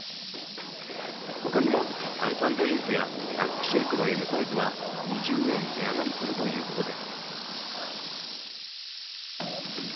他にも炭酸ドリンクやマックシェイクのＭサイズは２０円値上がりするということです。